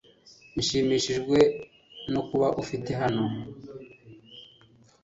Nshimishijwe no kuba ufite hano .